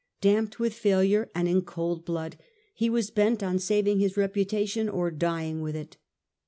Damped with failure, and in cold blood, he was bent on saving his reputation or dying with it.